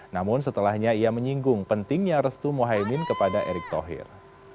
namun setelahnya ia menyinggung pentingnya restu mohaimin kepada erick thohir